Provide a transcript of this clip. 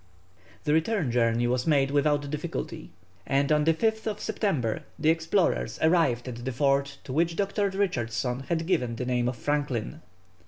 The return journey was made without difficulty, and on the 5th September the explorers arrived at the fort to which Dr. Richardson had given the name of Franklin.